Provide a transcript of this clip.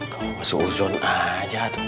kamu masih uzon aja tuh